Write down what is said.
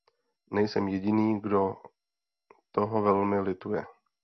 Nejsem jediný, kdo toho velmi lituje.